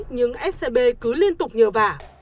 nhưng scb cứ liên tục nhờ vả